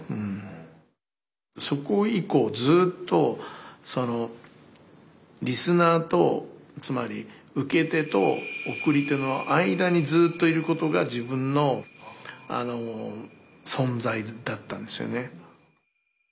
そこ以降ずっとリスナーとつまり受け手と送り手の間にずっといることが自分の存在だったんですよね。